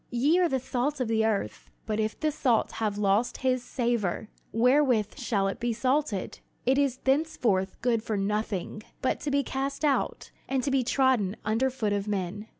"Ye are the salt of the earth: but if the salt have lost his savor, wherewith shall it be salted? it is thenceforth good for nothing, but to be cast out, and to be trodden under foot of men.